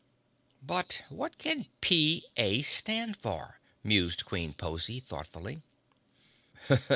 "But what can P. A. stand for?" mused Queen Pozy thoughtfully.